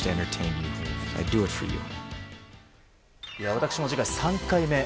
私も次回３回目。